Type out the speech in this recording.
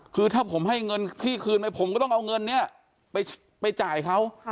คือถ้าผมให้เงินพี่คืนไปผมก็ต้องเอาเงินเนี่ยไปจ่ายเขา